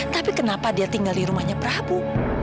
tapi kenapa dia tinggal di rumahnya prahapu